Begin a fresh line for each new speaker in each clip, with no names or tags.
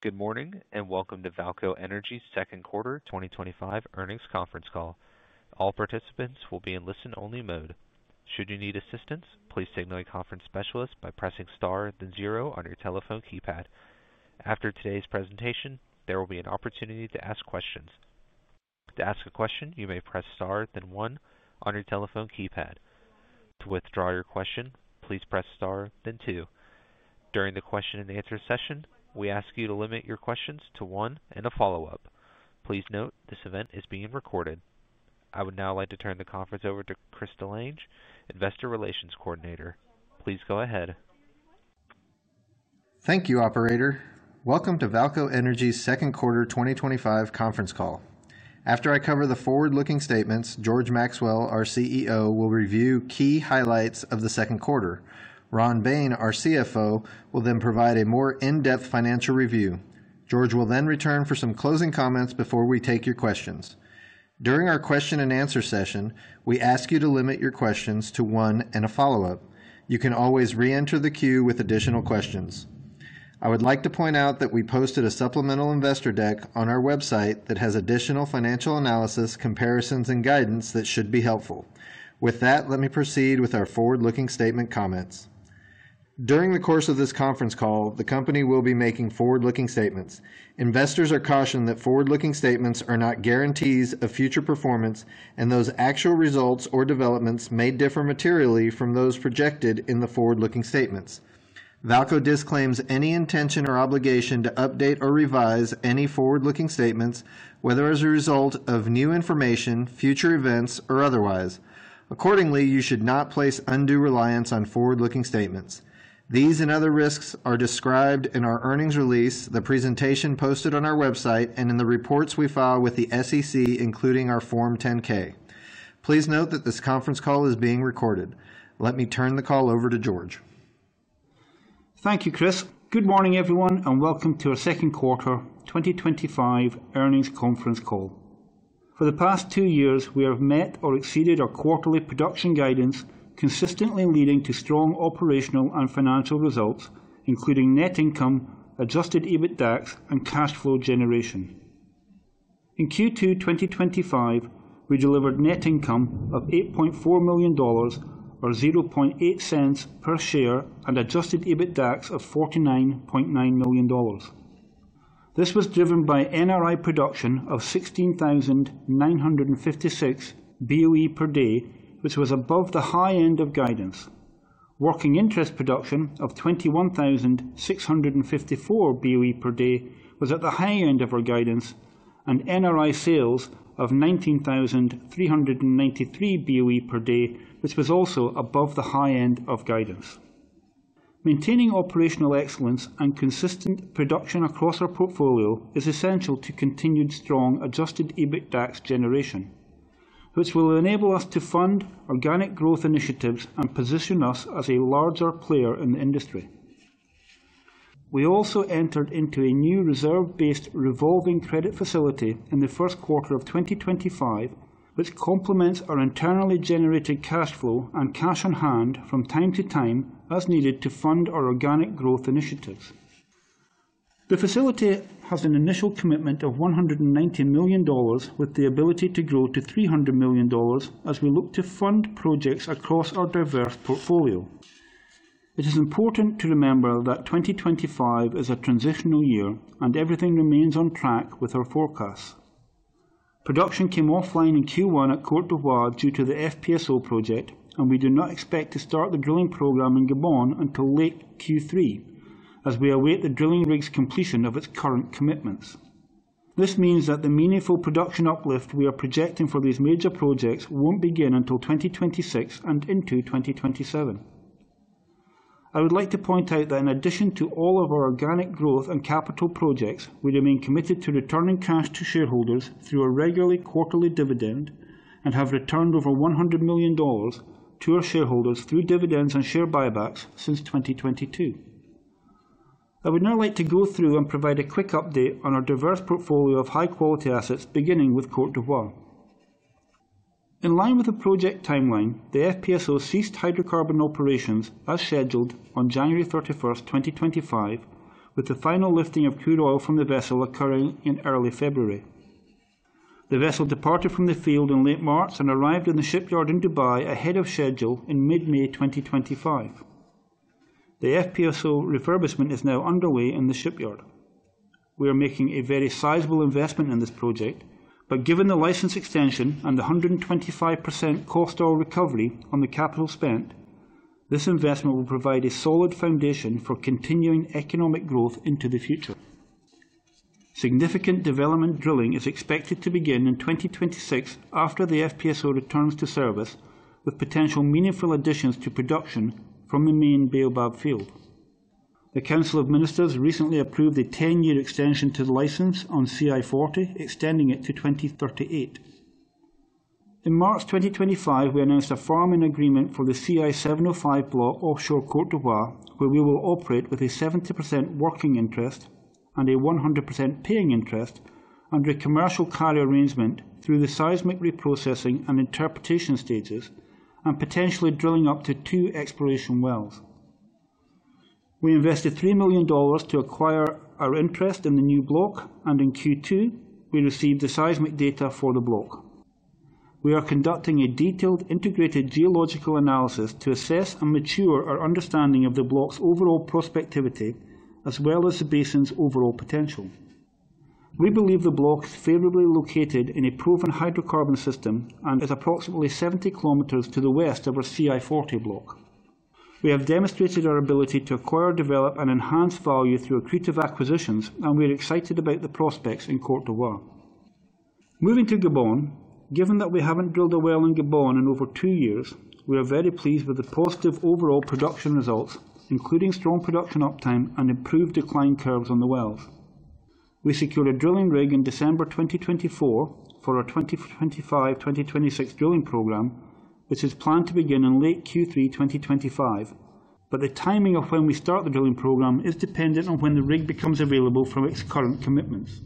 Good morning and welcome to Vaalco Energy's Second Quarter 2025 Earnings Conference Call. All participants will be in listen-only mode. Should you need assistance, please signal a conference specialist by pressing star, then zero on your telephone keypad. After today's presentation, there will be an opportunity to ask questions. To ask a question, you may press star, then one on your telephone keypad. To withdraw your question, please press star, then two. During the question and answer session, we ask you to limit your questions to one and a follow-up. Please note this event is being recorded. I would now like to turn the conference over to Chris Delange, Investor Relations Coordinator. Please go ahead.
Thank you, operator. Welcome to Vaalco Energy's Second Quarter 2025 Conference Call. After I cover the forward-looking statements, George Maxwell, our CEO, will review key highlights of the second quarter. Ron Bain, our CFO, will then provide a more in-depth financial review. George will then return for some closing comments before we take your questions. During our question and answer session, we ask you to limit your questions to one and a follow-up. You can always re-enter the queue with additional questions. I would like to point out that we posted a supplemental investor deck on our website that has additional financial analysis, comparisons, and guidance that should be helpful. With that, let me proceed with our forward-looking statement comments. During the course of this conference call, the company will be making forward-looking statements. Investors are cautioned that forward-looking statements are not guarantees of future performance, and those actual results or developments may differ materially from those projected in the forward-looking statements. Vaalco Energy disclaims any intention or obligation to update or revise any forward-looking statements, whether as a result of new information, future events, or otherwise. Accordingly, you should not place undue reliance on forward-looking statements. These and other risks are described in our earnings release, the presentation posted on our website, and in the reports we file with the SEC, including our Form 10-K. Please note that this conference call is being recorded. Let me turn the call over to George.
Thank you, Chris. Good morning, everyone, and welcome to our Second Quarter 2025 Earnings Conference Call. For the past two years, we have met or exceeded our quarterly production guidance, consistently leading to strong operational and financial results, including net income, adjusted EBITDA, and cash flow generation. In Q2 2025, we delivered net income of $8.4 million or [$0.8] per share and adjusted EBITDA of $49.9 million. This was driven by NRI production of 16,956 BOE per day, which was above the high end of guidance. Working interest production of 21,654 BOE per day was at the high end of our guidance, and NRI sales of 19,393 BOE per day, which was also above the high end of guidance. Maintaining operational excellence and consistent production across our portfolio is essential to continued strong adjusted EBITDA generation, which will enable us to fund organic growth initiatives and position us as a larger player in the industry. We also entered into a new reserve-based revolving credit facility in the first quarter of 2025, which complements our internally generated cash flow and cash on hand from time to time as needed to fund our organic growth initiatives. The facility has an initial commitment of $190 million, with the ability to grow to $300 million as we look to fund projects across our diverse portfolio. It is important to remember that 2025 is a transitional year and everything remains on track with our forecasts. Production came offline in Q1 at Côte d'Ivoire due to the FPSO project, and we do not expect to start the drilling program in Gabon until late Q3, as we await the drilling rigs' completion of its current commitments. This means that the meaningful production uplift we are projecting for these major projects won't begin until 2026 and into 2027. I would like to point out that in addition to all of our organic growth and capital projects, we remain committed to returning cash to shareholders through a regular quarterly dividend and have returned over $100 million to our shareholders through dividends and share buybacks since 2022. I would now like to go through and provide a quick update on our diverse portfolio of high-quality assets, beginning with Côte d'Ivoire. In line with the project timeline, the FPSO ceased hydrocarbon operations as scheduled on January 31st, 2025, with the final lifting of crude oil from the vessel occurring in early February. The vessel departed from the field in late March and arrived in the shipyard in Dubai ahead of schedule in mid-May 2025. The FPSO refurbishment is now underway in the shipyard. We are making a very sizable investment in this project, but given the license extension and the 125% cost recovery on the capital spent, this investment will provide a solid foundation for continuing economic growth into the future. Significant development drilling is expected to begin in 2026 after the FPSO returns to service, with potential meaningful additions to production from the main Baobab field. The Council of Ministers recently approved a 10-year extension to the license on CI-40, extending it to 2038. In March 2025, we announced a farming agreement for the CI-705 block offshore Côte d'Ivoire, where we will operate with a 70% working interest and a 100% paying interest under a commercial carrier arrangement through the seismic reprocessing and interpretation stages and potentially drilling up to two exploration wells. We invested $3 million to acquire our interest in the new block, and in Q2, we received the seismic data for the block. We are conducting a detailed integrated geological analysis to assess and mature our understanding of the block's overall prospectivity, as well as the basin's overall potential. We believe the block is favorably located in a proven hydrocarbon system and is approximately 70 km to the west of our CI-40 block. We have demonstrated our ability to acquire, develop, and enhance value through accretive acquisitions, and we are excited about the prospects in Côte d'Ivoire. Moving to Gabon, given that we haven't drilled a well in Gabon in over two years, we are very pleased with the positive overall production results, including strong production uptime and improved decline curves on the wells. We secured a drilling rig in December 2024 for our 2025-2026 drilling program, which is planned to begin in late Q3 2025, but the timing of when we start the drilling program is dependent on when the rig becomes available from its current commitments.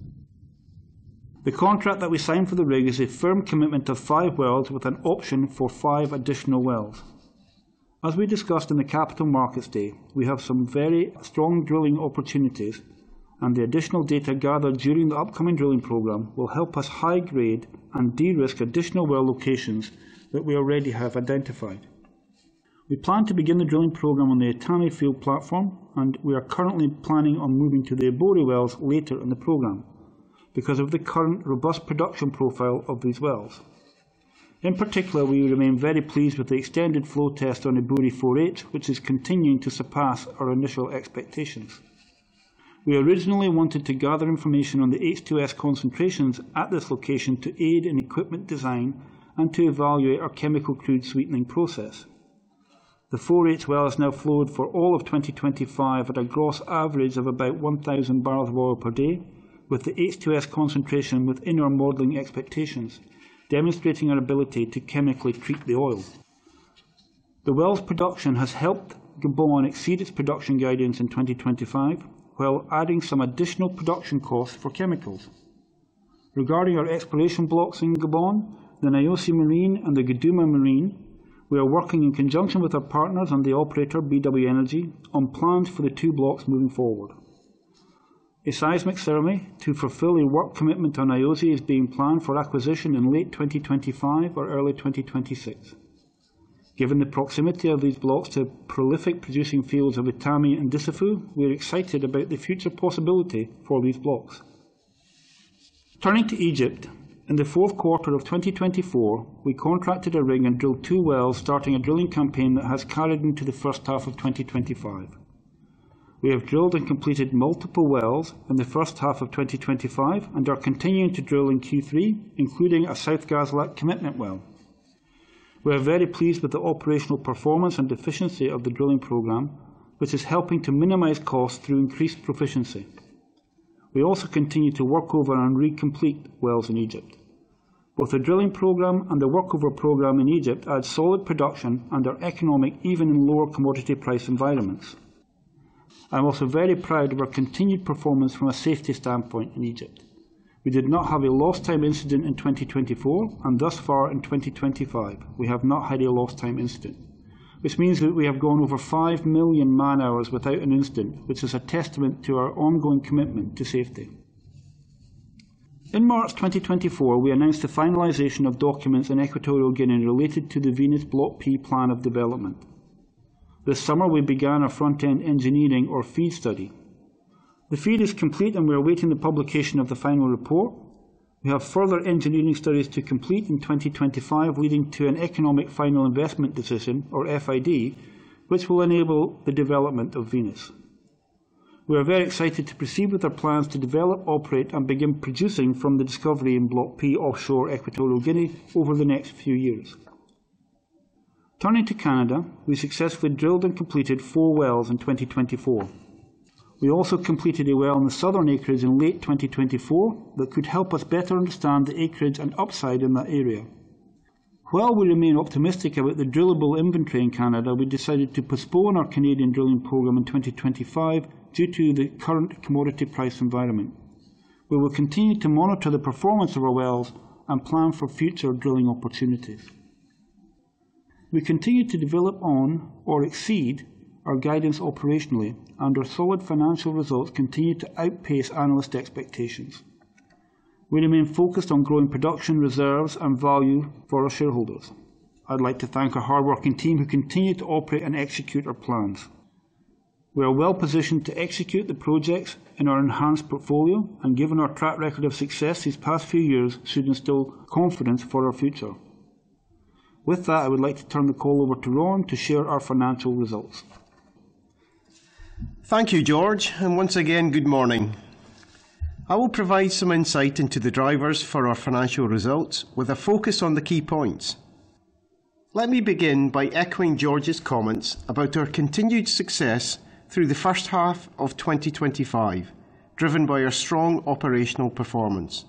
The contract that we signed for the rig is a firm commitment of five wells with an option for five additional wells. As we discussed in the Capital Markets Day, we have some very strong drilling opportunities, and the additional data gathered during the upcoming drilling program will help us high grade and de-risk additional well locations that we already have identified. We plan to begin the drilling program on the Itami field platform, and we are currently planning on moving to the Eburi wells later in the program because of the current robust production profile of these wells. In particular, we remain very pleased with the extended flow test on Eburi 4H, which is continuing to surpass our initial expectations. We originally wanted to gather information on the H2S concentrations at this location to aid in equipment design and to evaluate our chemical crude sweetening process. The 4H well is now flowed for all of 2025 at a gross average of about 1,000 barrels of oil per day, with the H2S concentration within our modeling expectations, demonstrating our ability to chemically treat the oil. The well's production has helped Gabon exceed its production guidance in 2025, while adding some additional production costs for chemicals. Regarding our exploration blocks in Gabon, the Niosi Marin and the Guduma Marin, we are working in conjunction with our partners and the operator BW Energy on plans for the two blocks moving forward. A seismic survey to fulfill a work commitment on Niosi is being planned for acquisition in late 2025 or early 2026. Given the proximity of these blocks to prolific producing fields of Itami and [Dissifou], we are excited about the future possibility for these blocks. Turning to Egypt, in the fourth quarter of 2024, we contracted a rig and drilled two wells, starting a drilling campaign that has carried into the first half of 2025. We have drilled and completed multiple wells in the first half of 2025 and are continuing to drill in Q3, including a South Ghazalat commitment well. We are very pleased with the operational performance and efficiency of the drilling program, which is helping to minimize costs through increased proficiency. We also continue to work over and recomplete wells in Egypt. Both the drilling program and the workover program in Egypt add solid production and are economic even in lower commodity price environments. I'm also very proud of our continued performance from a safety standpoint in Egypt. We did not have a lost time incident in 2024, and thus far in 2025, we have not had a lost time incident, which means that we have gone over 5 million man hours without an incident, which is a testament to our ongoing commitment to safety. In March 2024, we announced the finalization of documents in Equatorial Guinea related to the Venus-Block P plan of development. This summer, we began our front-end engineering or FEED study. The FEED is complete, and we're awaiting the publication of the final report. We have further engineering studies to complete in 2025 leading to an economic final investment decision, or FID, which will enable the development of Venus. We are very excited to proceed with our plans to develop, operate, and begin producing from the discovery in Block P offshore Equatorial Guinea over the next few years. Turning to Canada, we successfully drilled and completed four wells in 2024. We also completed a well in the southern acres in late 2024 that could help us better understand the acreage and upside in that area. While we remain optimistic about the drillable inventory in Canada, we decided to postpone our Canadian drilling program in 2025 due to the current commodity price environment. We will continue to monitor the performance of our wells and plan for future drilling opportunities. We continue to develop on or exceed our guidance operationally, and our solid financial results continue to outpace analyst expectations. We remain focused on growing production, reserves, and value for our shareholders. I'd like to thank our hardworking team who continue to operate and execute our plans. We are well positioned to execute the projects in our enhanced portfolio, and given our track record of success these past few years, it should instill confidence for our future. With that, I would like to turn the call over to Ron to share our financial results.
Thank you, George, and once again, good morning. I will provide some insight into the drivers for our financial results with a focus on the key points. Let me begin by echoing George's comments about our continued success through the first half of 2025, driven by our strong operational performance.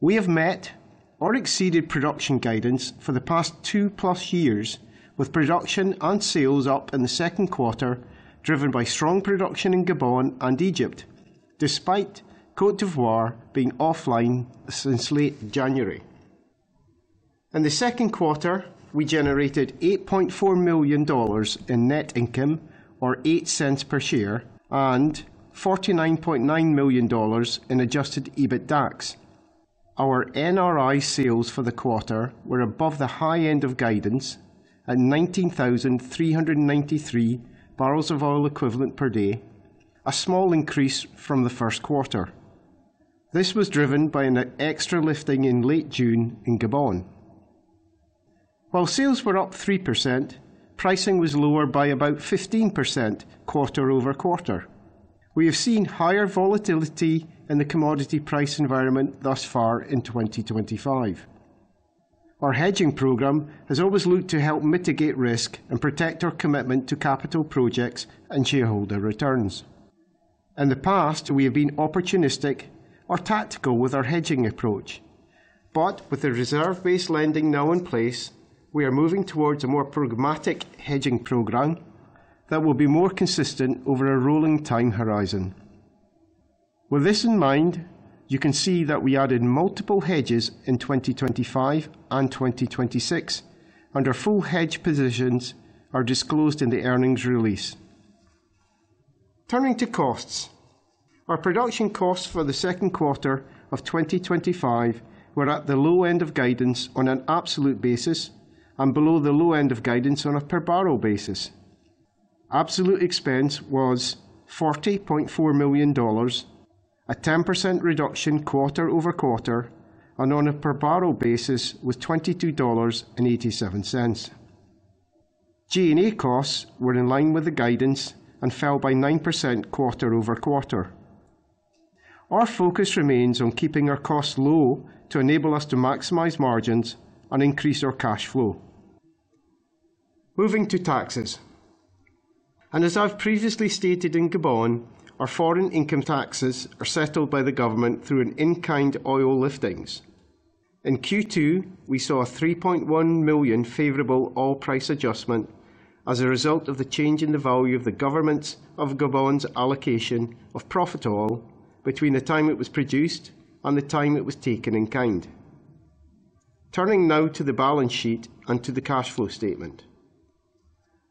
We have met or exceeded production guidance for the past 2+ years, with production and sales up in the second quarter, driven by strong production in Gabon and Egypt, despite Côte d'Ivoire being offline since late January. In the second quarter, we generated $8.4 million in net income or $0.08 per share and $49.9 million in adjusted EBITDA. Our NRI sales for the quarter were above the high end of guidance at 19,393 barrels of oil equivalent per day, a small increase from the first quarter. This was driven by an extra lifting in late June in Gabon. While sales were up 3%, pricing was lower by about 15% quarter-over-quarter. We have seen higher volatility in the commodity price environment thus far in 2025. Our hedging program has always looked to help mitigate risk and protect our commitment to capital projects and shareholder returns. In the past, we have been opportunistic or tactical with our hedging approach, but with the reserve-based lending now in place, we are moving towards a more pragmatic hedging program that will be more consistent over a rolling time horizon. With this in mind, you can see that we added multiple hedges in 2025 and 2026, and our full hedge positions are disclosed in the earnings release. Turning to costs, our production costs for the second quarter of 2025 were at the low end of guidance on an absolute basis and below the low end of guidance on a per barrel basis. Absolute expense was $40.4 million, a 10% reduction quarter-over-quarter, and on a per barrel basis was $22.87. G&A costs were in line with the guidance and fell by 9% quarter-over-quarter. Our focus remains on keeping our costs low to enable us to maximize margins and increase our cash flow. Moving to taxes, and as I've previously stated in Gabon, our foreign income taxes are settled by the government through in-kind oil liftings. In Q2, we saw a $3.1 million favorable oil price adjustment as a result of the change in the value of the government of Gabon's allocation of profit oil between the time it was produced and the time it was taken in kind. Turning now to the balance sheet and to the cash flow statement.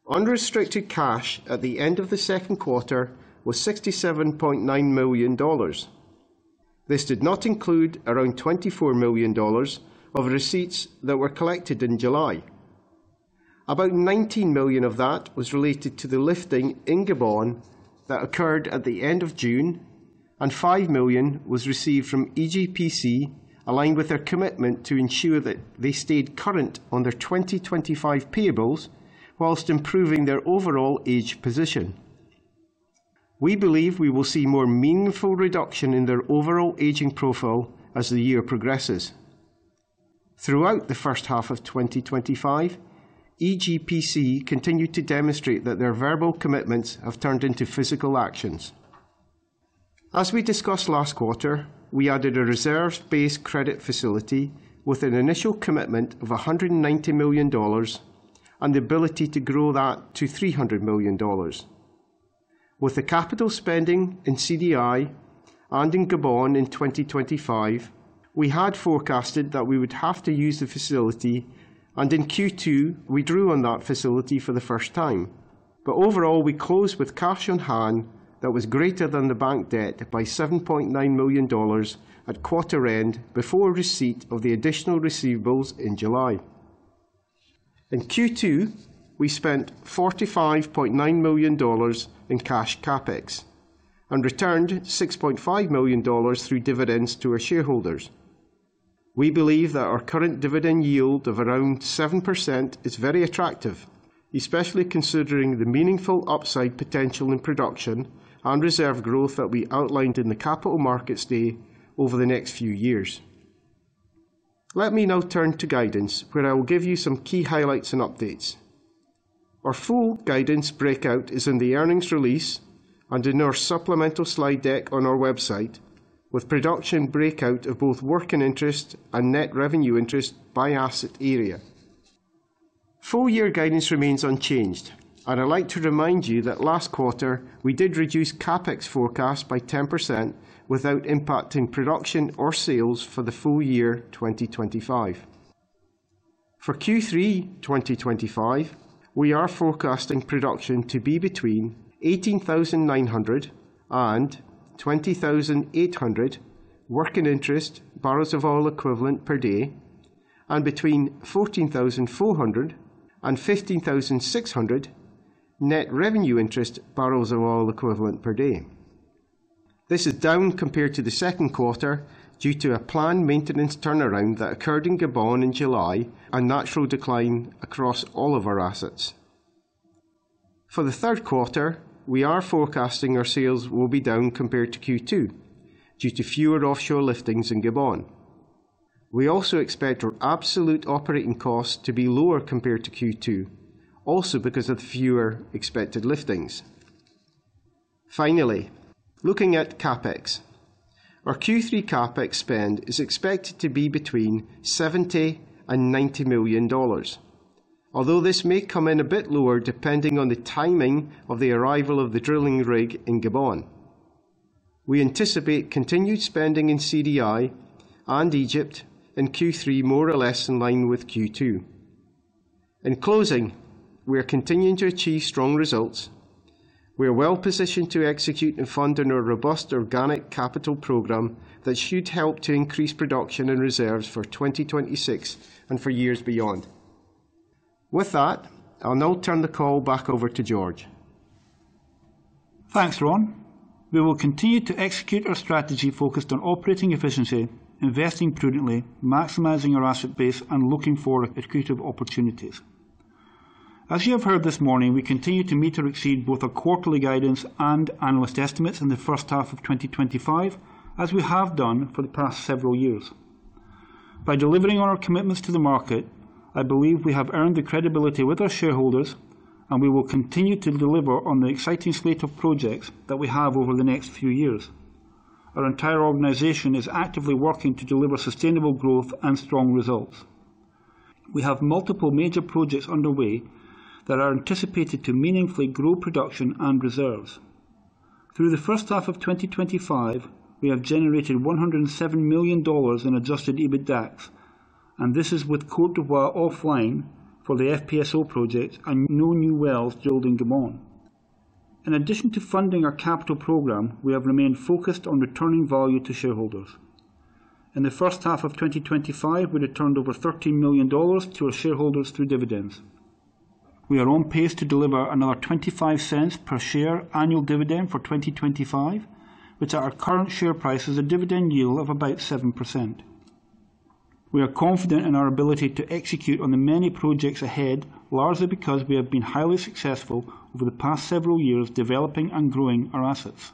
Unrestricted cash at the end of the second quarter was $67.9 million. This did not include around $24 million of receipts that were collected in July. About $19 million of that was related to the lifting in Gabon that occurred at the end of June, and $5 million was received from EGPC, aligned with their commitment to ensure that they stayed current on their 2025 payables whilst improving their overall age position. We believe we will see more meaningful reduction in their overall aging profile as the year progresses. Throughout the first half of 2025, EGPC continued to demonstrate that their verbal commitments have turned into physical actions. As we discussed last quarter, we added a reserve-based credit facility with an initial commitment of $190 million and the ability to grow that to $300 million. With the capital spending in CDI and in Gabon in 2025, we had forecasted that we would have to use the facility, and in Q2, we drew on that facility for the first time. Overall, we closed with cash on hand that was greater than the bank debt by $7.9 million at quarter end before receipt of the additional receivables in July. In Q2, we spent $45.9 million in cash CapEx and returned $6.5 million through dividends to our shareholders. We believe that our current dividend yield of around 7% is very attractive, especially considering the meaningful upside potential in production and reserve growth that we outlined in the Capital Markets Day over the next few years. Let me now turn to guidance, where I will give you some key highlights and updates. Our full guidance breakout is in the earnings release and in our supplemental slide deck on our website, with production breakout of both working interest and net revenue interest by asset area. Full-year guidance remains unchanged, and I'd like to remind you that last quarter we did reduce CapEx forecasts by 10% without impacting production or sales for the full year 2025. For Q3 2025, we are forecasting production to be between 18,900 and 20,800 working interest barrels of oil equivalent per day and between 14,400 and 15,600 net revenue interest barrels of oil equivalent per day. This is down compared to the second quarter due to a planned maintenance turnaround that occurred in Gabon in July and natural decline across all of our assets. For the third quarter, we are forecasting our sales will be down compared to Q2 due to fewer offshore liftings in Gabon. We also expect our absolute operating costs to be lower compared to Q2, also because of the fewer expected liftings. Finally, looking at CapEx, our Q3 CapEx spend is expected to be between $70 million and $90 million, although this may come in a bit lower depending on the timing of the arrival of the drilling rig in Gabon. We anticipate continued spending in CDI and Egypt in Q3, more or less in line with Q2. In closing, we are continuing to achieve strong results. We are well positioned to execute and fund a robust organic capital program that should help to increase production and reserves for 2026 and for years beyond. With that, I'll now turn the call back over to George.
Thanks, Ron. We will continue to execute our strategy focused on operating efficiency, investing prudently, maximizing our asset base, and looking for executive opportunities. As you have heard this morning, we continue to meet or exceed both our quarterly guidance and analyst estimates in the first half of 2025, as we have done for the past several years. By delivering on our commitments to the market, I believe we have earned the credibility with our shareholders, and we will continue to deliver on the exciting slate of projects that we have over the next few years. Our entire organization is actively working to deliver sustainable growth and strong results. We have multiple major projects underway that are anticipated to meaningfully grow production and reserves. Through the first half of 2025, we have generated $107 million in adjusted EBITDA, and this is with Côte d'Ivoire offline for the FPSO projects and no new wells drilled in Gabon. In addition to funding our capital programs, we have remained focused on returning value to shareholders. In the first half of 2025, we returned over $13 million to our shareholders through dividends. We are on pace to deliver another $0.25 per share annual dividend for 2025, which at our current share price is a dividend yield of about 7%. We are confident in our ability to execute on the many projects ahead, largely because we have been highly successful over the past several years developing and growing our assets.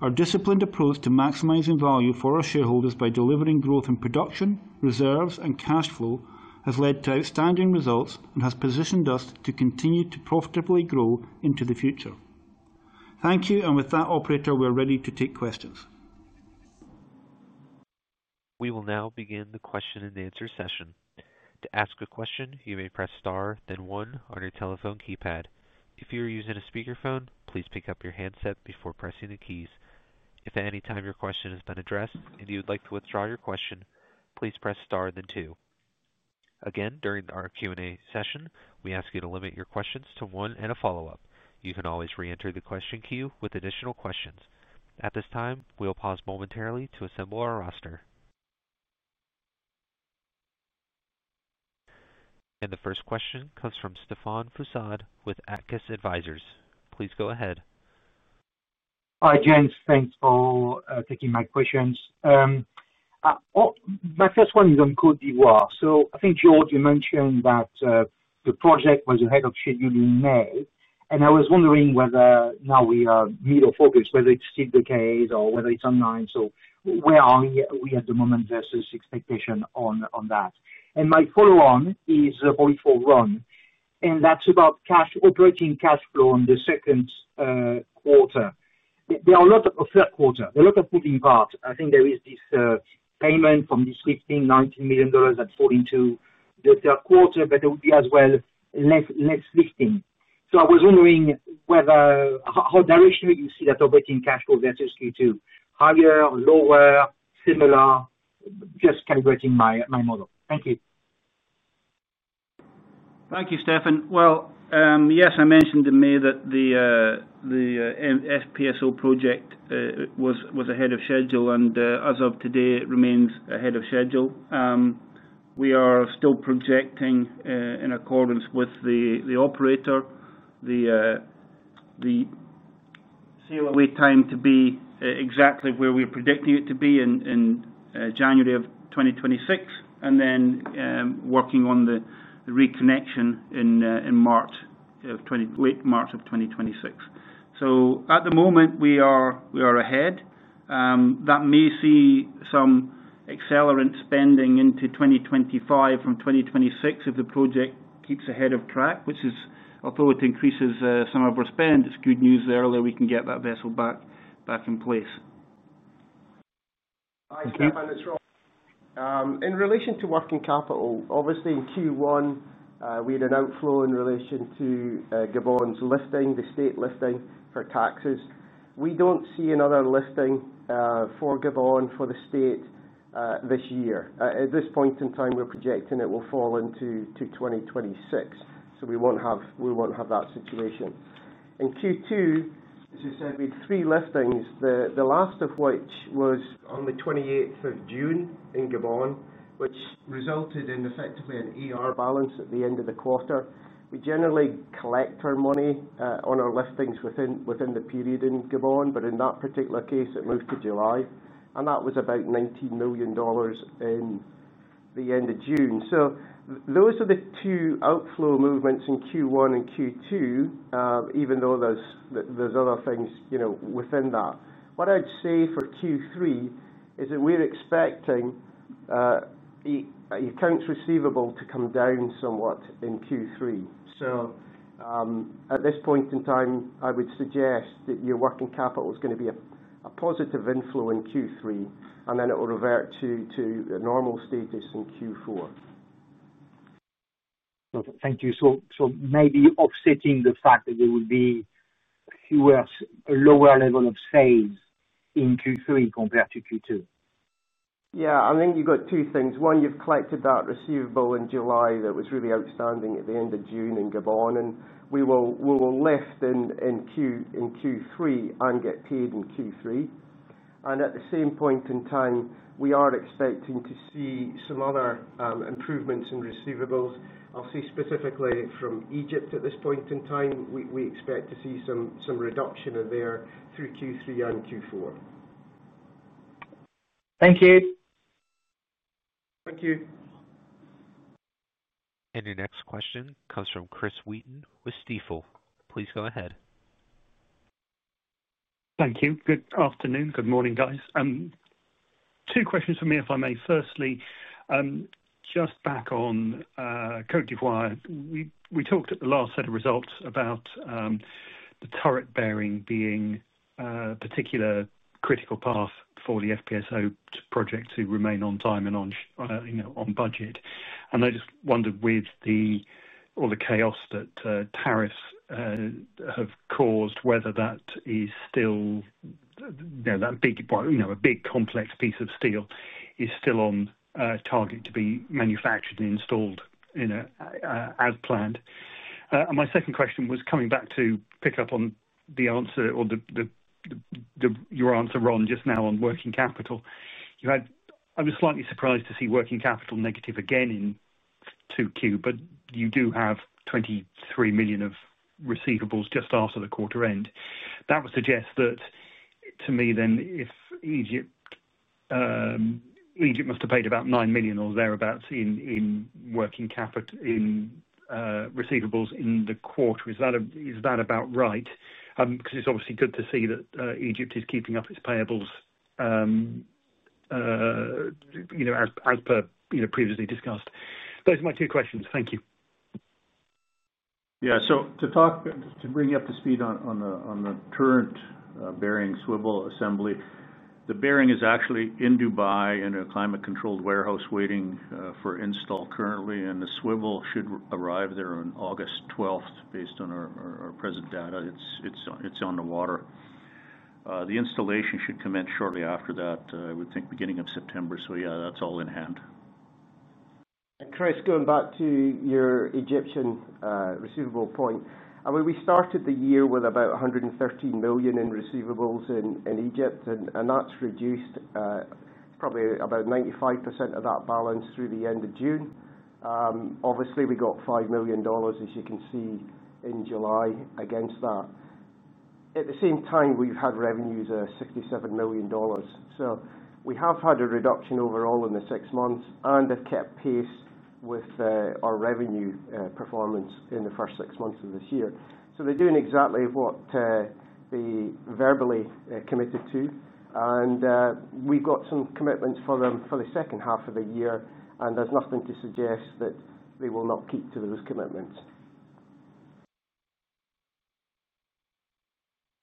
Our disciplined approach to maximizing value for our shareholders by delivering growth in production, reserves, and cash flow has led to outstanding results and has positioned us to continue to profitably grow into the future. Thank you, and with that, operator, we're ready to take questions.
We will now begin the question and answer session. To ask a question, you may press star, then one, on your telephone keypad. If you are using a speakerphone, please pick up your handset before pressing the keys. If at any time your question has been addressed and you would like to withdraw your question, please press star, then two. Again, during our Q&A session, we ask you to limit your questions to one and a follow-up. You can always re-enter the question queue with additional questions. At this time, we'll pause momentarily to assemble our roster. The first question comes from Stephane Foucaud with Auctus Advisors. Please go ahead.
Hi, gents. Thanks for taking my questions. My first one is on Côte d'Ivoire. I think, George, you mentioned that the project was ahead of schedule in May, and I was wondering whether now we are mid-August, whether it's still the case or whether it's online. Where are we at the moment versus expectation on that? My follow-on is probably for Ron, and that's about operating cash flow in the second quarter. There are a lot of moving parts. I think there is this payment from this $15 million, $19 million that fall into the third quarter, but there would be as well less lifting. I was wondering how directionally do you see that operating cash flow versus Q2? Higher or lower, similar? Just calibrating my model. Thank you.
Thank you, Stephane. I mentioned in May that the FPSO project was ahead of schedule, and as of today, it remains ahead of schedule. We are still projecting, in accordance with the operator, the wait time to be exactly where we're predicting it to be in January 2026, and working on the reconnection in late March 2026. At the moment, we are ahead. That may see some accelerant spending into 2025 from 2026 if the project keeps ahead of track, which is, although it increases some of our spend, good news there. We can get that vessel back in place.
Hi, Stephane. It's Ron. In relation to working capital, obviously in Q1, we had an outflow in relation to Gabon's listing, the state listing for taxes. We don't see another listing for Gabon for the state this year. At this point in time, we're projecting it will fall into 2026. We won't have that situation. In Q2, as you said, we had three liftings, the last of which was on the 28th of June in Gabon, which resulted in effectively [an AR] balance at the end of the quarter. We generally collect our money on our liftings within the period in Gabon, but in that particular case, it moved to July, and that was about $19 million at the end of June. Those are the two outflow movements in Q1 and Q2, even though there's other things within that. What I'd say for Q3 is that we're expecting the accounts receivable to come down somewhat in Q3. At this point in time, I would suggest that your working capital is going to be a positive inflow in Q3, and it will revert to a normal status in Q4.
Thank you. Maybe offsetting the fact that there will be a lower level of sales in Q3 compared to Q2.
Yeah, I think you've got two things. One, you've collected that receivable in July that was really outstanding at the end of June in Gabon, and we will lift in Q3 and get paid in Q3. At the same point in time, we are expecting to see some other improvements in receivables. I'll see specifically from Egypt at this point in time. We expect to see some reduction in there through Q3 and Q4.
Thank you.
Thank you.
Your next question comes from Chris Wheaton with Stifel. Please go ahead.
Thank you. Good afternoon. Good morning, guys. Two questions for me, if I may. Firstly, just back on Côte d'Ivoire, we talked at the last set of results about the turret bearing being a particular critical path for the FPSO project to remain on time and on budget. I just wondered with all the chaos that tariffs have caused, whether that is still, you know, a big complex piece of steel is still on target to be manufactured and installed as planned. My second question was coming back to pick up on the answer or your answer, Ron, just now on working capital. I was slightly surprised to see working capital negative again in 2Q, but you do have $23 million of receivables just after the quarter end. That would suggest that to me then if Egypt must have paid about $9 million or thereabouts in receivables in the quarter. Is that about right? Because it's obviously good to see that Egypt is keeping up its payables as per previously discussed. Those are my two questions. Thank you.
Yeah, to bring you up to speed on the current bearing swivel assembly, the bearing is actually in Dubai in a climate-controlled warehouse waiting for install currently, and the swivel should arrive there on August 12th based on our present data. It's on the water. The installation should commence shortly after that, I would think beginning of September. That's all in hand.
Chris, going back to your Egyptian receivable point, we started the year with about $113 million in receivables in Egypt, and that's reduced probably about 95% of that balance through the end of June. Obviously, we got $5 million, as you can see, in July against that. At the same time, we've had revenues of $67 million. We have had a reduction overall in the six months and have kept pace with our revenue performance in the first six months of this year. They're doing exactly what they verbally committed to, and we've got some commitments for them for the second half of the year, and there's nothing to suggest that they will not keep to those commitments.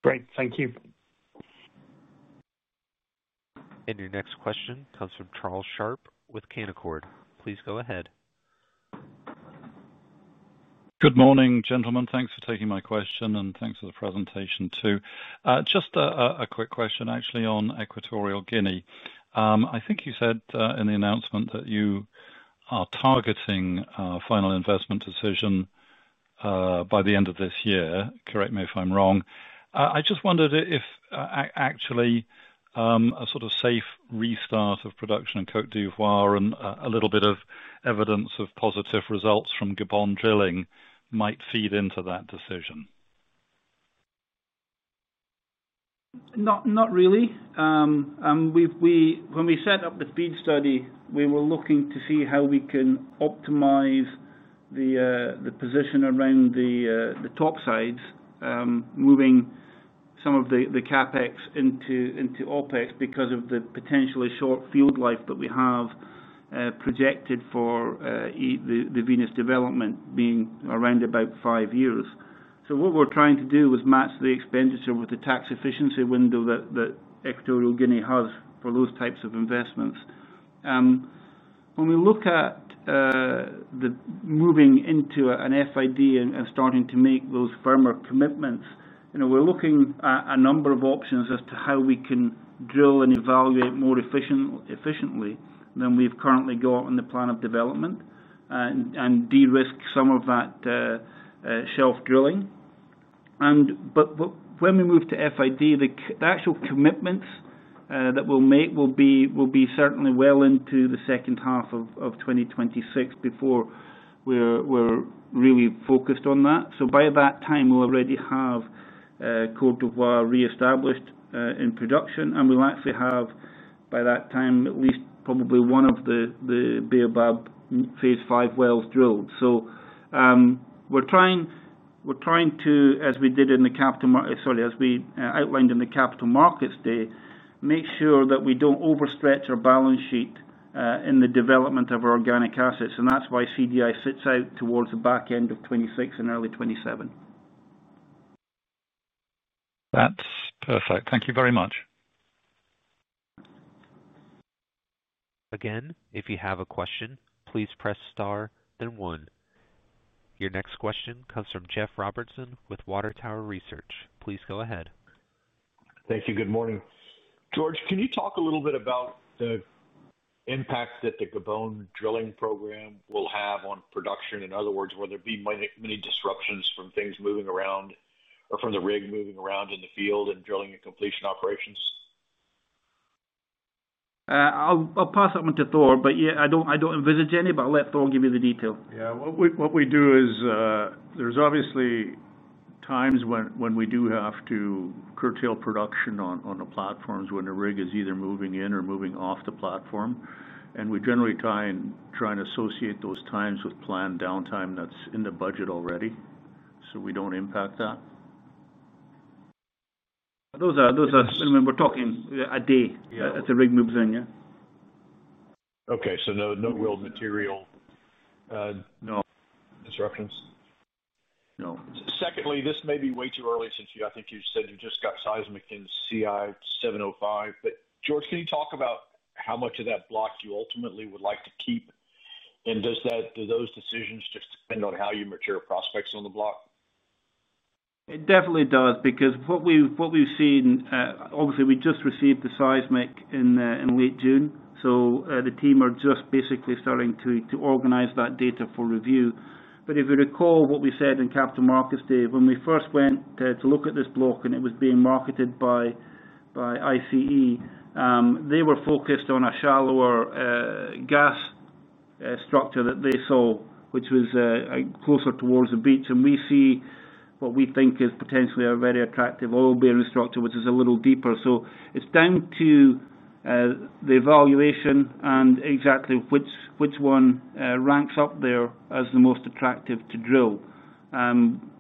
Great, thank you.
Your next question comes from Charles Sharp with Canaccord. Please go ahead.
Good morning, gentlemen. Thanks for taking my question and thanks for the presentation too. Just a quick question, actually, on Equatorial Guinea. I think you said in the announcement that you are targeting a final investment decision by the end of this year. Correct me if I'm wrong. I just wondered if actually a sort of safe restart of production in Côte d'Ivoire and a little bit of evidence of positive results from Gabon drilling might feed into that decision.
Not really. When we set up the speed study, we were looking to see how we can optimize the position around the topsides, moving some of the CapEx into OpEx because of the potentially short field life that we have projected for the Venus development being around about five years. What we're trying to do is match the expenditure with the tax efficiency window that Equatorial Guinea has for those types of investments. When we look at moving into an FID and starting to make those firmer commitments, we're looking at a number of options as to how we can drill and evaluate more efficiently than we've currently got in the plan of development and de-risk some of that shelf drilling. When we move to a final investment decision, the actual commitments that we'll make will be certainly well into the second half of 2026 before we're really focused on that. By that time, we'll already have Côte d'Ivoire reestablished in production, and we'll actually have by that time at least probably one of the Baobab Phase Five wells drilled. We're trying to, as we did in the Capital Markets Day, make sure that we don't overstretch our balance sheet in the development of our organic assets. That's why CDI sits out towards the back end of 2026 and early 2027.
That's perfect. Thank you very much.
Again, if you have a question, please press star, then one. Your next question comes from Jeff Robertson with Water Tower Research. Please go ahead.
Thank you. Good morning. George, can you talk a little bit about the impact that the Gabon drilling program will have on production? In other words, will there be many disruptions from things moving around or from the rig moving around in the field and drilling and completion operations?
I'll pass it on to Thor, but yeah, I don't envisage any, but I'll let Thor give you the detail.
Yeah, what we do is there's obviously times when we do have to curtail production on the platforms when the rig is either moving in or moving off the platform. We generally try and associate those times with planned downtime that's in the budget already, so we don't impact that.
Those are when we're talking a day that the rig moves in, yeah.
Okay, no real material. No disruptions?
No.
Secondly, this may be way too early since you, I think you said you just got seismic in CI-705, but George, can you talk about how much of that block you ultimately would like to keep? Do those decisions just depend on how you mature prospects on the block?
It definitely does because what we've seen, obviously, we just received the seismic in late June. The team are just basically starting to organize that data for review. If you recall what we said in Capital Markets Day, when we first went to look at this block and it was being marketed by ICE, they were focused on a shallower gas structure that they saw, which was closer towards the beach. We see what we think is potentially a very attractive oil bearing structure, which is a little deeper. It's down to the evaluation and exactly which one ranks up there as the most attractive to drill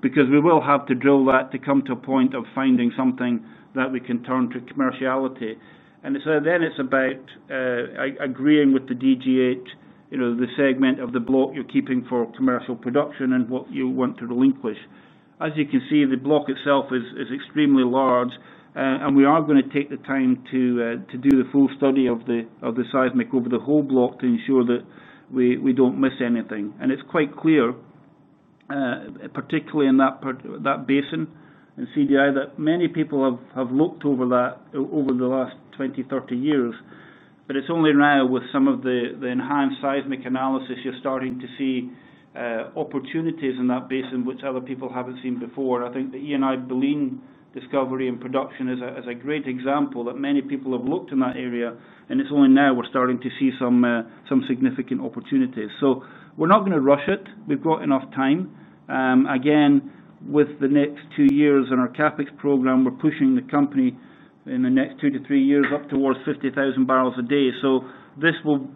because we will have to drill that to come to a point of finding something that we can turn to commerciality. It's about agreeing with the DGH, you know, the segment of the block you're keeping for commercial production and what you want to relinquish. As you can see, the block itself is extremely large, and we are going to take the time to do the full study of the seismic over the whole block to ensure that we don't miss anything. It's quite clear, particularly in that basin and CDI, that many people have looked over that over the last 20, 30 years. It's only now with some of the enhanced seismic analysis you're starting to see opportunities in that basin, which other people haven't seen before. I think the [E&I Berlin] discovery and production is a great example that many people have looked in that area, and it's only now we're starting to see some significant opportunities. We're not going to rush it. We've got enough time. Again, with the next two years in our CapEx program, we're pushing the company in the next two to three years up towards 50,000 barrels a day. This will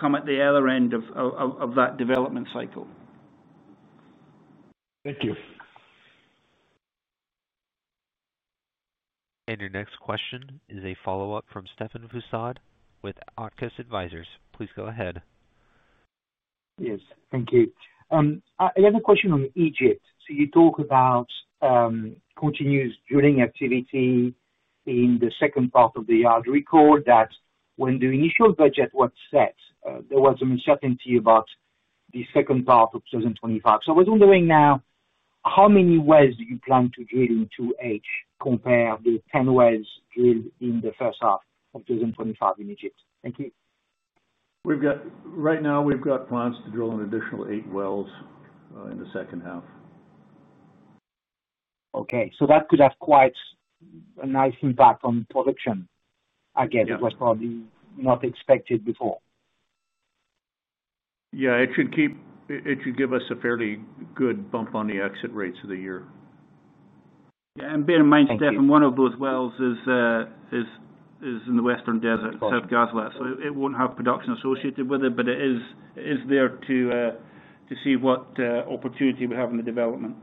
come at the other end of that development cycle.
Thank you.
Your next question is a follow-up from Stephane Foucaud with Auctus Advisors. Please go ahead.
Yes, thank you. I have a question on Egypt. You talk about continuous drilling activity in the second part of the year and record that when the initial budget was set, there was some uncertainty about the second part of 2025. I was wondering now how many wells do you plan to drill in 2H compared to the 10 wells drilled in the first half of 2025? Thank you.
Right now, we've got plans to drill an additional eight wells in the second half.
Okay, so that could have quite a nice impact on production. Again, it was probably not expected before.
Yeah, it should give us a fairly good bump on the exit rates of the year.
Yeah, and bear in mind, Stephane, one of those wells is in the Western Desert, South Ghazalat. It won't have production associated with it, but it is there to see what opportunity we have in the development.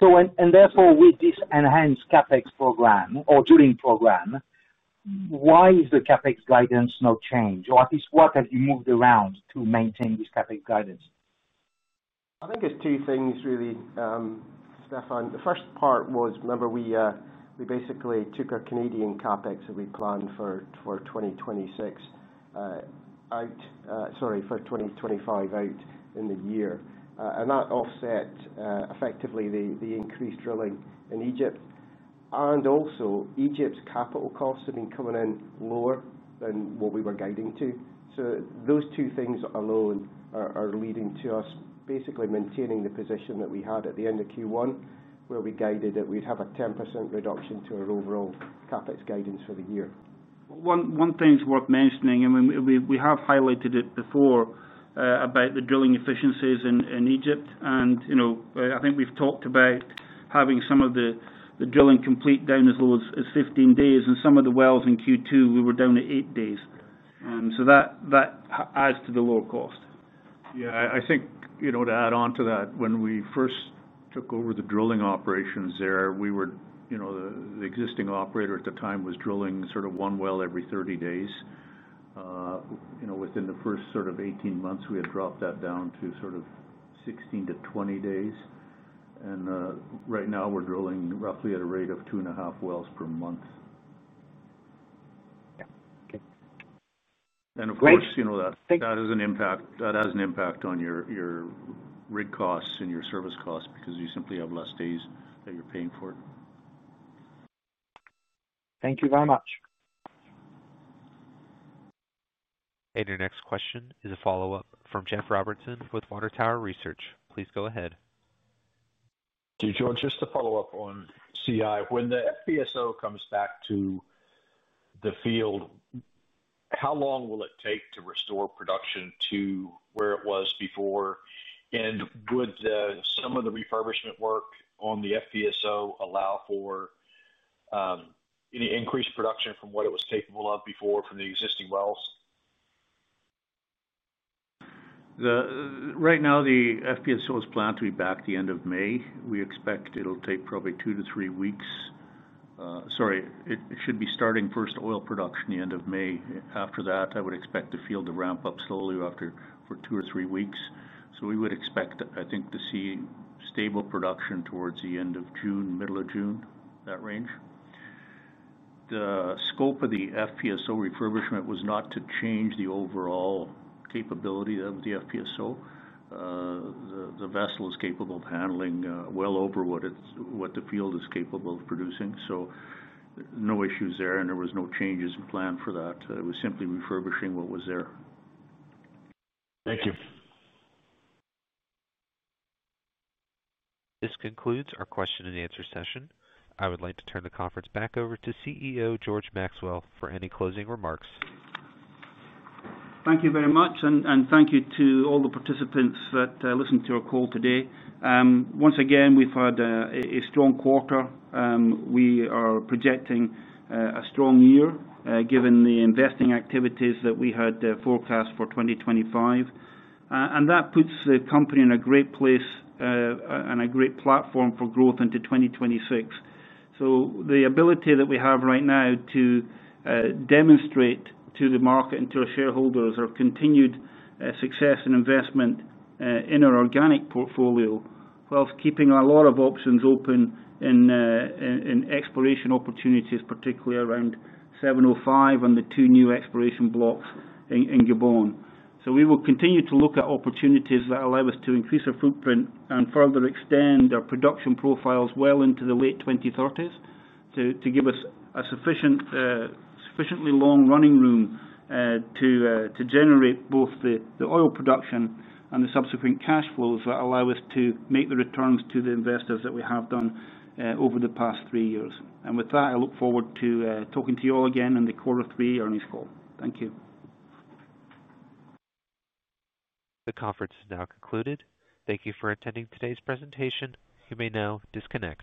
With this enhanced CapEx program or drilling program, why is the CapEx guidance not changed? At least, what have you moved around to maintain this CapEx guidance?
I think it's two things, really, Stephane. The first part was, remember, we basically took our Canadian CapEx that we planned for 2026 out, sorry, for 2025 out in the year. That offset effectively the increased drilling in Egypt. Also, Egypt's capital costs have been coming in lower than what we were guiding to. Those two things alone are leading to us basically maintaining the position that we had at the end of Q1, where we guided that we'd have a 10% reduction to our overall CapEx guidance for the year. One thing is worth mentioning, and we have highlighted it before, about the drilling efficiencies in Egypt. I think we've talked about having some of the drilling complete down as low as 15 days, and some of the wells in Q2, we were down to eight days. That adds to the lower cost.
Yeah, I think, to add on to that, when we first took over the drilling operations there, the existing operator at the time was drilling sort of one well every 30 days. Within the first sort of 18 months, we had dropped that down to sort of 16-20 days. Right now, we're drilling roughly at a rate of two and a half wells per month. Of course, that has an impact on your rig costs and your service costs because you simply have less days that you're paying for it.
Thank you very much.
Your next question is a follow-up from Jeff Robertson with Water Tower Research. Please go ahead.
Thank you, George. Just to follow up on CI, when the FPSO comes back to the field, how long will it take to restore production to where it was before? Would some of the refurbishment work on the FPSO allow for any increased production from what it was capable of before from the existing wells?
Right now, the FPSO is planned to be back at the end of May. We expect it'll take probably two to three weeks. Sorry, it should be starting first oil production at the end of May. After that, I would expect the field to ramp up slowly for two or three weeks. We would expect, I think, to see stable production towards the end of June, middle of June, that range. The scope of the FPSO refurbishment was not to change the overall capability of the FPSO. The vessel is capable of handling well over what the field is capable of producing. No issues there, and there were no changes in plan for that. It was simply refurbishing what was there.
Thank you.
This concludes our question and answer session. I would like to turn the conference back over to CEO George Maxwell for any closing remarks.
Thank you very much, and thank you to all the participants that listened to our call today. Once again, we've had a strong quarter. We are projecting a strong year given the investing activities that we had forecast for 2025. That puts the company in a great place and a great platform for growth into 2026. The ability that we have right now to demonstrate to the market and to our shareholders our continued success and investment in our organic portfolio, whilst keeping a lot of options open in exploration opportunities, particularly around 705 and the two new exploration blocks in Gabon, is significant. We will continue to look at opportunities that allow us to increase our footprint and further extend our production profiles well into the late 2030s to give us a sufficiently long running room to generate both the oil production and the subsequent cash flows that allow us to make the returns to the investors that we have done over the past three years. I look forward to talking to you all again in the quarter three earnings call. Thank you.
The conference is now concluded. Thank you for attending today's presentation. You may now disconnect.